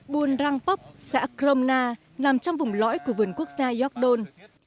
buôn răng phóc xã crom na nằm trong vùng lõi của vườn quốc gia york don